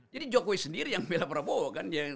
jadi jokowi sendiri yang bela prabowo kan